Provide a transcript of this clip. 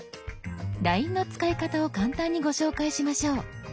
「ＬＩＮＥ」の使い方を簡単にご紹介しましょう。